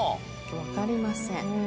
わかりません。